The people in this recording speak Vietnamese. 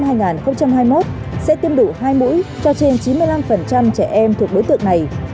bộ y tế phân đấu trong hai nghìn hai mươi một sẽ tiêm đủ hai mũi cho trên chín mươi năm trẻ em thuộc đối tượng này